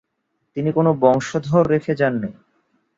তিনি কোন বংশধর রেখে যাননি।